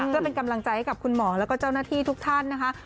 เพื่อเป็นกำลังใจให้กับคุณหมอแล้วก็เจ้าหน้าที่ทุกท่านนะคะ